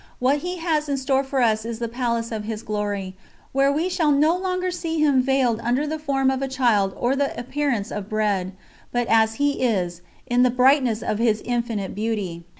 What He has in store for us is the Palace of His Glory, where we shall no longer see Him veiled under the form of a child or the appearance of bread, but as He is, in the brightness of His Infinite Beauty.